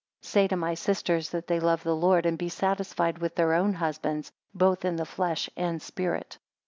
7 Say to my sisters, that they love the Lord; and be satisfied with their own husbands, both in the flesh and spirit.